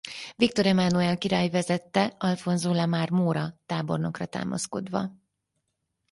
Viktor Emánuel király vezette Alfonso La Marmora tábornokra támaszkodva.